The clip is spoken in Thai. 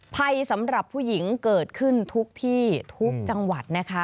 ภัยสำหรับผู้หญิงเกิดขึ้นทุกที่ทุกจังหวัดนะคะ